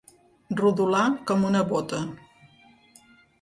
Rodolar com una bota.